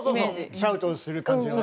シャウトをする感じのね。